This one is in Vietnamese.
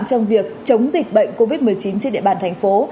trong việc chống dịch bệnh covid một mươi chín trên địa bàn thành phố